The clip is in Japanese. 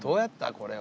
これは。